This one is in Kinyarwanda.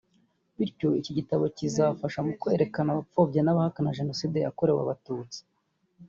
bityo iki gitabo kikazafasha mu kwerekana abapfobya bakanahakana Jenoside yakorewe Abatutsi